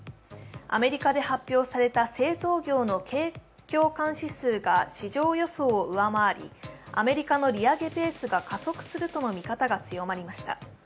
アメリカで発表された製造業の景況感指数が市場予想を上回り、アメリカの利上げペースが加速するとの見方が強まりました。